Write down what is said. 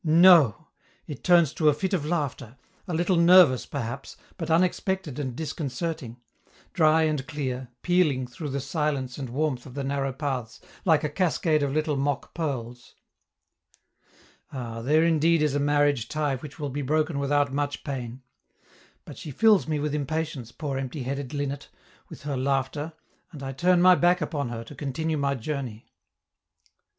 No! it turns to a fit of laughter, a little nervous perhaps, but unexpected and disconcerting dry and clear, pealing through the silence and warmth of the narrow paths, like a cascade of little mock pearls. Ah, there indeed is a marriage tie which will be broken without much pain! But she fills me with impatience, poor empty headed linnet, with her laughter, and I turn my back upon her to continue my journey.